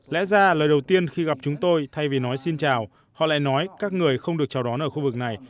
lẽ ra lời đầu tiên khi gặp chúng tôi thay vì nói xin chào họ lại nói các người không được chào đón ở khu vực này